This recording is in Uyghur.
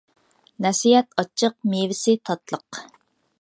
نەسىھەت ئاچچىق، مېۋىسى تاتلىق.